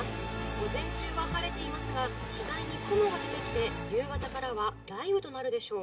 午前中は晴れていますが次第に雲が出て来て夕方からは雷雨となるでしょう。